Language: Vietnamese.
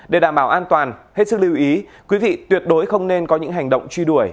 để đảm bảo an toàn hết sức lưu ý quý vị tuyệt đối không nên có những hành động truy đuổi